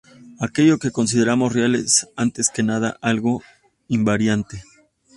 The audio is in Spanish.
Aquello que consideramos real es, antes que nada, algo invariante.